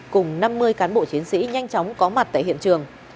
cùng năm mươi cán bộ chiến sĩ nhanh chóng có mặt tại hiện trường